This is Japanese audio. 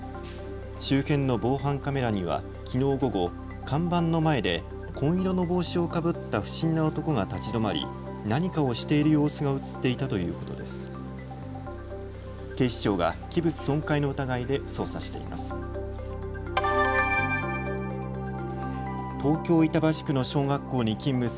周辺の防犯カメラにはきのう午後、看板の前で紺色の帽子をかぶった不審な男が立ち止まり、何かをしている様子が写っていたということです。